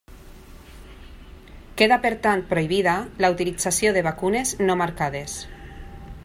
Queda, per tant, prohibida la utilització de vacunes no marcades.